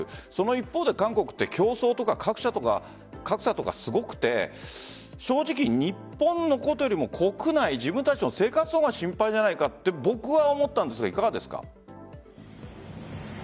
一方で韓国は競争とか格差とかすごくて正直、日本のことよりも国内自分たちの生活の方が心配じゃないかって僕は思ったんですがいかがですか？